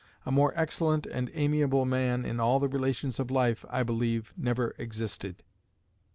A more excellent and amiable man in all the relations of life I believe never existed.